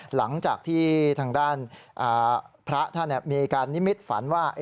หลังจากที่ทางด้านพระท่านมีการนิมิตฝันว่า